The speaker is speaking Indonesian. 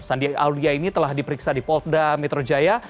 sandia aulia ini telah diperiksa di polda metro jaya